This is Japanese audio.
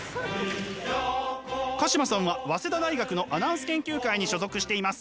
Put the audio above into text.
鹿島さんは早稲田大学のアナウンス研究会に所属しています。